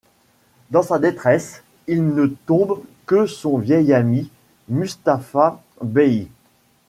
Dans sa détresse, il ne tombe que son vieil ami, Mustapha Bei.